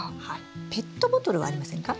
ペットボトルはありませんか？